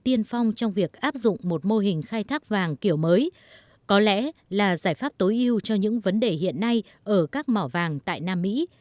tiên phong trong việc áp dụng một mô hình khai thác vàng kiểu mới có lẽ là giải pháp tối ưu cho những vấn đề hiện nay ở các mỏ vàng tại nam mỹ